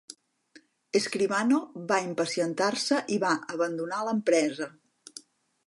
Escribano va impacientar-se i va abandonar l'empresa.